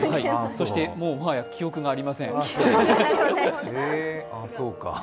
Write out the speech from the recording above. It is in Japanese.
そして、もはや記憶がありません。